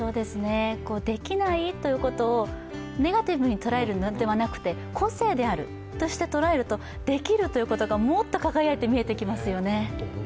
できないということをネガティブに捉えるのではなくて個性であるとして捉えるとできるということがもっと輝いて見えてきますよね。